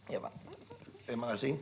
ya pak terima kasih